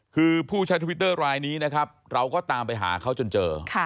คือผู้ใช้ทวิตเตอร์รายนี้นะครับเราก็ตามไปหาเขาจนเจอ